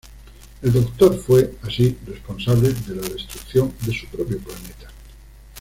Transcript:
El Doctor fue, así, responsable de la destrucción de su propio planeta.